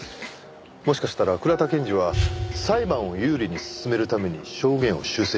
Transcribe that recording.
もしかしたら倉田検事は裁判を有利に進めるために証言を修正した。